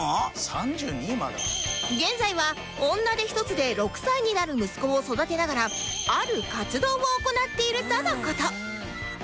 現在は女手一つで６歳になる息子を育てながらある活動を行っているとの事